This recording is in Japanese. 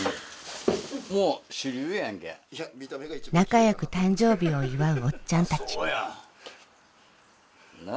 仲よく誕生日を祝うおっちゃんたち。